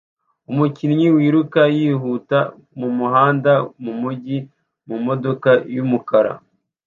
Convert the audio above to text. Umukinnyi wiruka yihuta mumuhanda mumujyi mumodoka yumukara